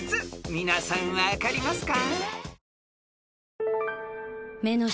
皆さん分かりますか？］